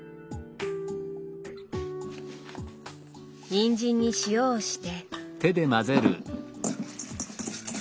にんじんに塩をして。